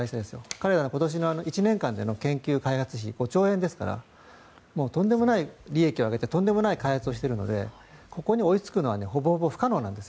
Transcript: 彼らの今年の１年間での研究開発費５兆円ですからとんでもない利益を上げてとんでもない開発をしているのでここに追いつくのはほぼほぼ不可能なんです。